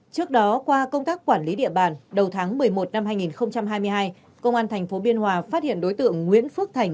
trước đó qua công tác quản lý địa bàn đầu tháng một mươi một năm hai nghìn hai mươi hai công an tp biên hòa phát hiện đối tượng nguyễn phước thành